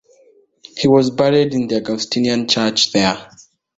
He was buried in the Augustinian church there.